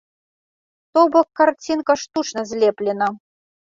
То бок карцінка штучна злеплена.